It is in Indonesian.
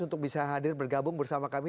untuk bisa hadir bergabung bersama kami